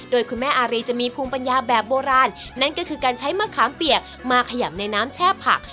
โดยคุณแม่อารีจะมีภูมิปัญญาแบบโบราณนั่นก็คือการใช้มะขามเปียกมาขยำในน้ำแช่ผัก